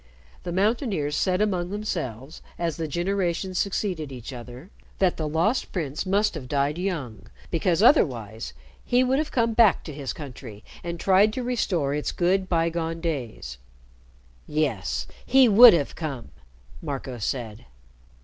The mountaineers said among themselves, as the generations succeeded each other, that the Lost Prince must have died young, because otherwise he would have come back to his country and tried to restore its good, bygone days." "Yes, he would have come," Marco said.